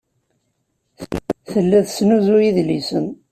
Tella tesnuzuy idlisen.